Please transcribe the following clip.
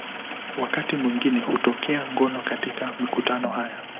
Wakati mwingine hutokea ngono katika mikutano haya.